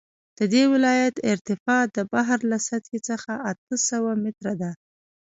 د دې ولایت ارتفاع د بحر له سطحې څخه اته سوه متره ده